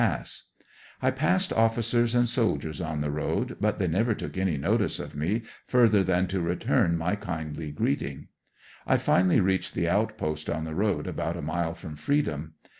* st * I passed officers and soldiers on the road, but they never took any notice of me further than to return my kindly greeting. I finally reached the outpost on the road, about a mile from freedom.